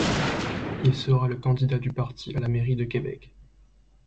Il sera le candidat du parti à la mairie de Québec.